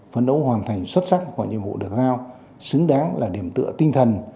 phấn đấu hoàn thành xuất sắc mọi nhiệm vụ được giao xứng đáng là điểm tựa tinh thần